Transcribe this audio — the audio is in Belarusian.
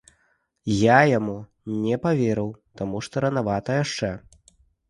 Я яму не паверыў, таму што ранавата яшчэ.